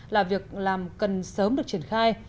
là việc làm cần sớm được triển khai